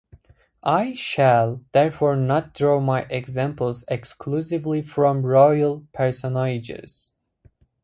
I shall therefore not draw my examples exclusively from royal personages.